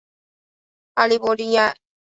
阿利博迪埃。